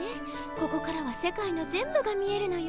ここからは世界の全部が見えるのよ。